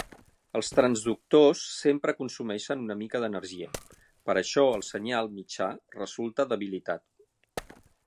Els transductors sempre consumeixen una mica d'energia, per això el senyal mitjà resulta debilitat.